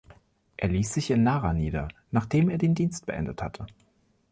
Er ließ sich in Nara nieder, nachdem er den Dienst beendet hatte.